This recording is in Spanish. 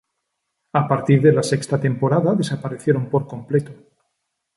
A partir de la sexta temporada desaparecieron por completo.